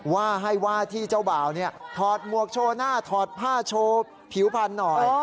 ว่าให้ว่าที่เจ้าบ่าวถอดหมวกโชว์หน้าถอดผ้าโชว์ผิวพันธุ์หน่อย